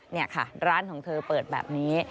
นี่ค่ะร้านของเธอเปิดแบบนี้